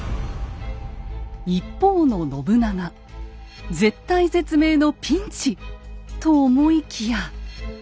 一方の信長絶体絶命のピンチ！と思いきや。